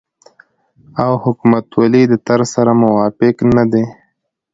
او حکومتولۍ د طرز سره موافق نه دي